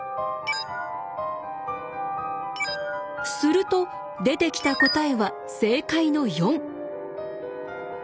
すると出てきた答えは正解の４。